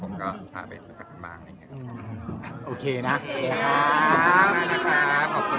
โอเคนะโอเคครับขอบคุณมากครับขอบคุณมากครับ